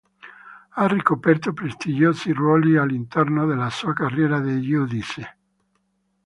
Ha ricoperto prestigiosi ruoli all'interno della sua carriera di giudice.